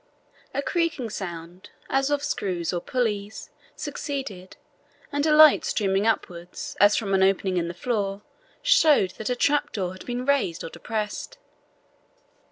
A creaking sound, as of a screw or pulleys, succeeded, and a light streaming upwards, as from an opening in the floor, showed that a trap door had been raised or depressed.